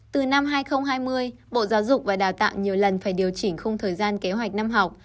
từ năm hai nghìn hai mươi bộ giáo dục và đào tạo nhiều lần phải điều chỉnh khung thời gian kế hoạch năm học